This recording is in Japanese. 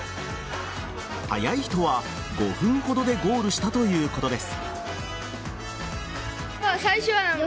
速い人は５分ほどでゴールしたということです。